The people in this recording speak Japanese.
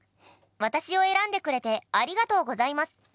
私を選んでくれてありがとうございます。